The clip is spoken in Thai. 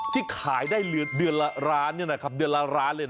ที่ขายได้เรือนเดือนละร้าน